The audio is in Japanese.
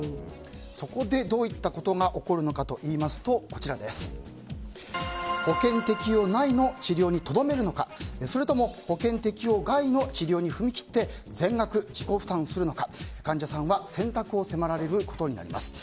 そこでどういったことが起こるのかといいますと保険適用外の治療にとどめるのかそれとも、保険適用外の治療に踏み切って全額自己負担か選択を迫られることになります。